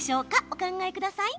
お考えください。